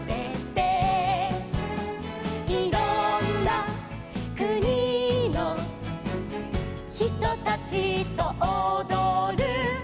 「いろんなくにのひとたちとおどる」